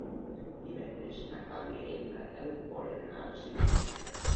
Divendres na Clàudia i en Gaël volen anar al cinema.